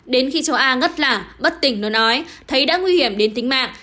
đến khi châu a ngất lả bất tỉnh nó nói thấy đã nguy hiểm đến tính mạng